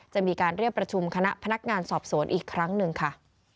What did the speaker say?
จะมีการเรียกประชุมคณะพนักงานสอบสวนอีกครั้งหนึ่งค่ะ